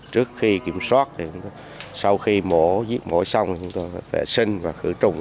trước khi kiểm soát sau khi mổ giết mổ xong chúng tôi vệ sinh và khử trùng